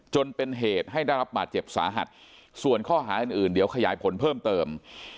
จนเป็นเหตุให้ได้รับบาดเจ็บสาหัสส่วนข้อหาอื่นเดี๋ยวขยายผลเพิ่มเติม